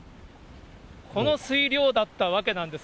この水量だったわけなんです。